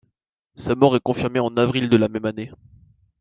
Sa mort est confirmée en avril de la même année.